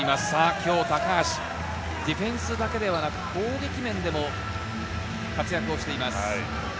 今日は高橋、ディフェンスだけではなく、攻撃面でも活躍をしています。